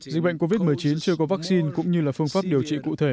dịch bệnh covid một mươi chín chưa có vaccine cũng như là phương pháp điều trị cụ thể